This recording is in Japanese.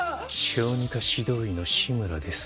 小児科指導医の志村です。